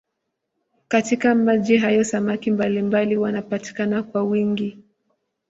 Katika maji hayo samaki mbalimbali wanapatikana kwa wingi.